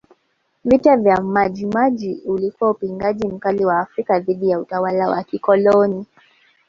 Vita ya Maji Maji ulikuwa upingaji mkali wa Waafrika dhidi ya utawala wa kikoloni